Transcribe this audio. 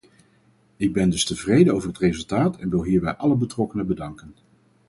Ik ben dus tevreden over het resultaat en wil hierbij alle betrokkenen bedanken.